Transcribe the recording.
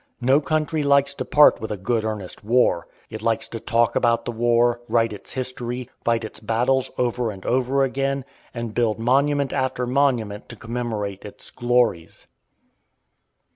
No country likes to part with a good earnest war. It likes to talk about the war, write its history, fight its battles over and over again, and build monument after monument to commemorate its glories.